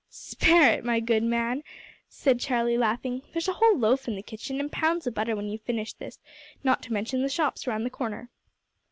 "Spare it, my good man!" said Charlie, laughing. "There's a whole loaf in the kitchen and pounds of butter when you've finished this, not to mention the shops round the corner."